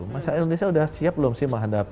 masyarakat indonesia sudah siap belum sih menghadap